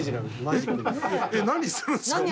えっ何するんですか？